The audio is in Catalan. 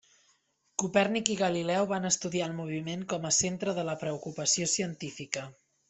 Copèrnic i Galileu van estudiar el moviment com a centre de la preocupació científica.